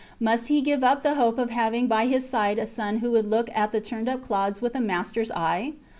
Must he give up the hope of having by his side a son who would look at the turned up sods with a masters eye?